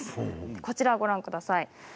こちらをご覧ください。